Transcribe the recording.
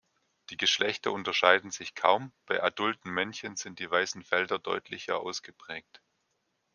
Die Geschlechter unterscheiden sich kaum, bei adulten Männchen sind die weißen Felder deutlicher ausgeprägt.